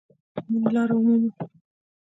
مونږ لاره مومو